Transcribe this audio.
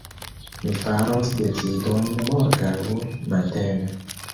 Mi faros decidojn morgaŭ matene.